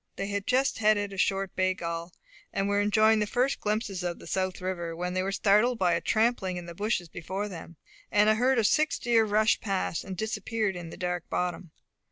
They had just headed a short bay gall, and were enjoying the first glimpses of the south river, when they were startled by a trampling in the bushes before them; and a herd of six deer rushed past and disappeared in the dark bottom.